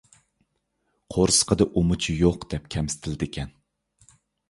«قورسىقىدا ئۇمىچى يوق» دەپ كەمسىتىلىدىكەن.